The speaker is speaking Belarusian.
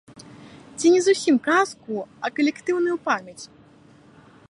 Ці не зусім казку, а калектыўную памяць.